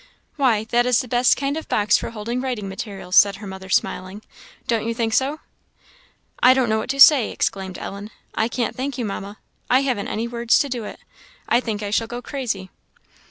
"Why, that is the best kind of box for holding writing materials," said her mother, smiling; "don't you think so?" "I don't know what to say!" exclaimed Ellen. "I can't thank you, Mamma; I haven't any words to do it. I think I shall go crazy."